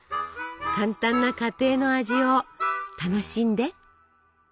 簡単な家庭の味を楽しんで。